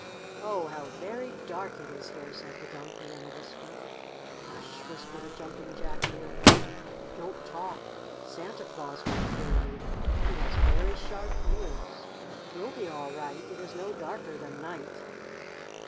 "Oh, how very dark it is here," said the Donkey in a whisper. "Hush!" whispered a Jumping Jack near him. "Don't talk! Santa Claus might hear you. He has very sharp ears. You'll be all right. It is no darker than night."